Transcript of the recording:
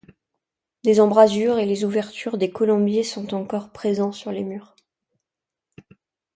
Des embrasures et les ouvertures des colombiers sont encore présents sur les murs.